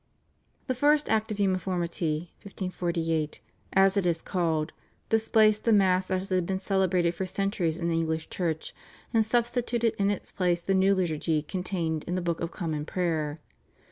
The first Act of Uniformity (1548), as it is called, displaced the Mass as it had been celebrated for centuries in the English Church, and substituted in its place the new liturgy contained in the /Book of Common Prayer